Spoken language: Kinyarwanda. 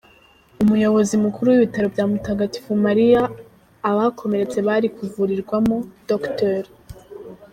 Umuyobozi mukuru w’ ibitaro bya Mutagatifu Mariya abakomeretse bari kuvurirwamo, Dr.